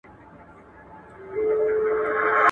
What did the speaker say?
په قلم خط لیکل د دوستۍ د تارونو پیاوړي کول دي.